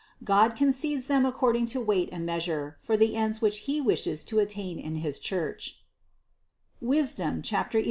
God concedes them according to weight and measure for the ends which He wishes to attain in his Church (Wisdom 11, 21).